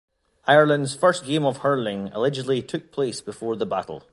Ireland’s first game of hurling allegedly took place before the battle.